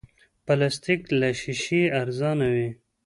پلاستيک له شیشې ارزانه وي.